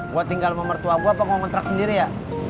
gue tinggal sama mertua gue apa mau ngtrak sendiri ya